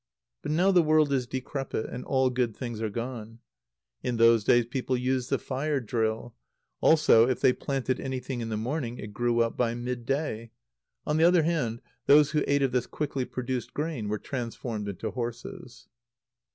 But now the world is decrepit, and all good things are gone. In those days people used the fire drill. Also, if they planted anything in the morning, it grew up by mid day. On the other hand, those who ate of this quickly produced grain were transformed into horses.